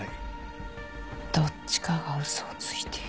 どっちかが嘘をついている。